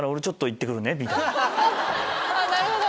なるほど！